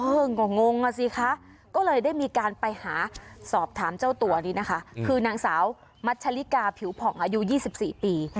ก็งงอ่ะสิคะก็เลยได้มีการไปหาสอบถามเจ้าตัวนี้นะคะคือนางสาวมัชลิกาผิวผ่องอายุ๒๔ปี